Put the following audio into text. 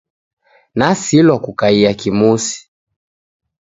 Nasilwa kukaiya kimusi